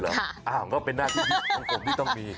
ไม่เคยเหรออ้าวมันก็เป็นหน้าที่ผมต้องมี